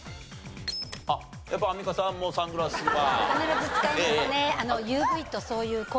あっやっぱアンミカさんもサングラスは。